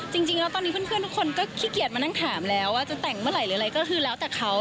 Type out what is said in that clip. จริงแล้วตอนนี้เพื่อนทุกคนก็ขี้เกียจมานั่งถามแล้วว่าจะแต่งเมื่อไหร่หรืออะไรก็คือแล้วแต่เขา